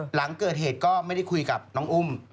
หลังเกิดเหตุก็ไม่ได้คุยกับน้องอุ้ม